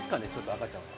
赤ちゃん。